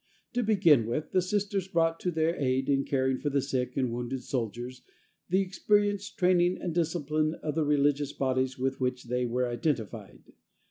To begin with, the Sisters brought to their aid in caring for the sick and wounded soldiers the experience, training and discipline of the religious bodies with which they were identified.